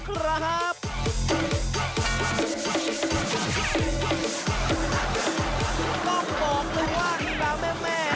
ก็บอกเลยว่าอินปั่หแม่เม่